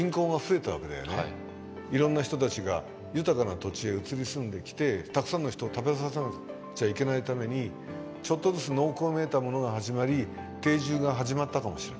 いろんな人たちが豊かな土地へ移り住んできてたくさんの人を食べさせなくちゃいけないためにちょっとずつ農耕めいたものが始まり定住が始まったかもしれない。